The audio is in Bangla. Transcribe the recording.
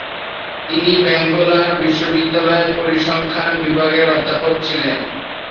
তিনি ব্যাঙ্গালোর বিশ্ববিদ্যালয়ের পরিসংখ্যান বিভাগের অধ্যাপক ছিলেন।